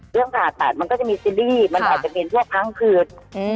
เรื่องผ่าตัดมันก็จะมีซีรีส์มันอาจจะเป็นทั่วครั้งคืน